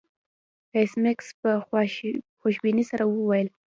ایس میکس په خوشبینۍ سره وویل